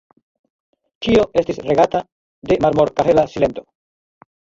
Ĉio estis regata de marmor-kahela silento.